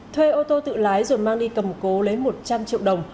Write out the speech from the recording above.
thuê ô tô tự lái rồi mang đi cầm cố lấy một trăm linh triệu đồng